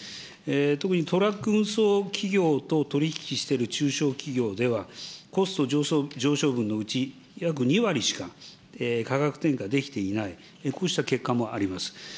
特にトラック運送企業と取り引きしている中小企業では、コスト上昇分のうち、約２割しか価格転嫁できていない、こうした結果もあります。